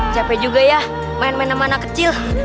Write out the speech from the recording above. capek juga ya main main sama anak kecil